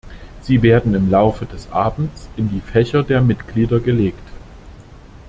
Sie werden im Laufe des Abends in die Fächer der Mitglieder gelegt.